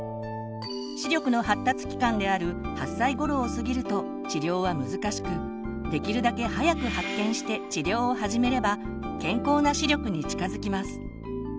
視力の発達期間である８歳頃を過ぎると治療は難しくできるだけ早く発見して治療を始めれば健康な視力に近づきます。